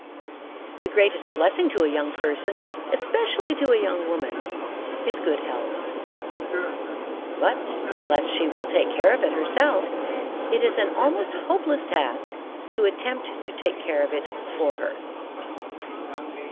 The greatest blessing to a young person, especially to a young woman, is good health; but unless she will take care of it herself, it is an almost hopeless task to attempt to take care of it for her.